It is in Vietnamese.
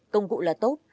công cụ là tốt